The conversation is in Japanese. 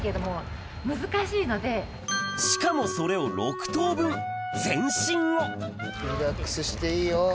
しかもそれを６頭分全身をリラックスしていいよ。